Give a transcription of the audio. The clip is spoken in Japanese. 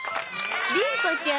りん子ちゃん